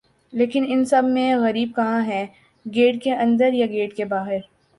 لیکن ان سب میں غریب کہاں ہے گیٹ کے اندر یا گیٹ کے باہر